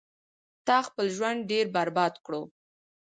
تا خپل ژوند ډیر برباد کړو